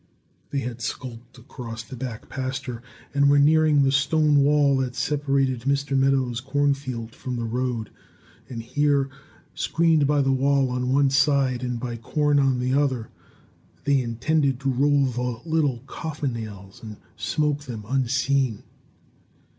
They had skulked across the back pasture, and were nearing the stone wall that separated Mr. Meadow's corn field from the road; and here, screened by the wall on one side and by corn on the other, they intended to roll the little "coffin nails," and smoke them unseen.